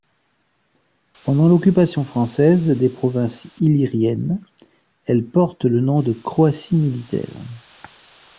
Pendant l'occupation française des Provinces illyriennes, elle porte le nom de Croatie militaire.